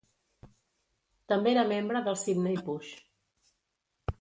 També era membre del Sydney Push.